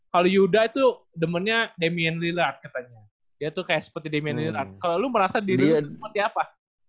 kalo yuda itu demennya damien lillard katanya dia tuh kayak seperti damien lillard kalo lu merasa diri lu seperti apa